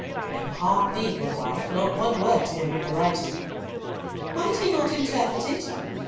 "Then hark thee, good wife, not one word to him of the writing." "Might he not interpret it?"